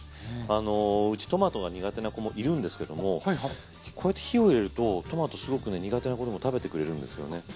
うちトマトが苦手な子もいるんですけどもこうやって火を入れるとトマトすごくね苦手な子でも食べてくれるんですよね。